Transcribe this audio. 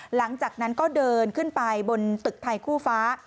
หลังจากนั้นก็เดินขึ้นไปบนตึกไทยคู่ฟ้า